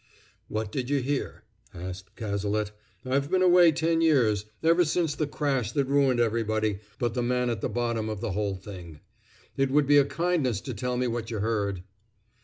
"What did you hear?" asked Cazalet. "I've been away ten years, ever since the crash that ruined everybody but the man at the bottom of the whole thing. It would be a kindness to tell me what you heard."